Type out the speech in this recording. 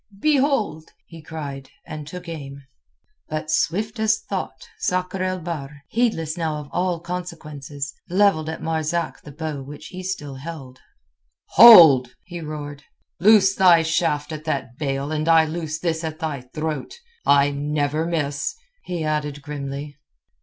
"Behold!" he cried, and took aim. But swift as thought, Sakr el Bahr—heedless now of all consequences—levelled at Marzak the bow which he still held. "Hold!" he roared. "Loose thy shaft at that bale, and I loose this at thy throat. I never miss!" he added grimly.